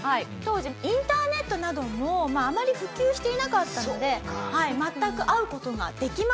当時インターネットなどもあまり普及していなかったので全く。